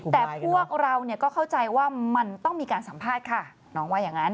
แต่พวกเราเนี่ยก็เข้าใจว่ามันต้องมีการสัมภาษณ์ค่ะน้องว่าอย่างนั้น